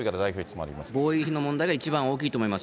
防衛費の問題が一番大きいと思います。